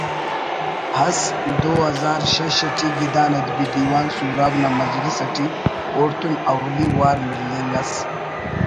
ئس دو ہزار شش ٹی گدان ادبی دیوان سوراب نا مجلس اٹی اوڑتون اولی وار مِلنگ اس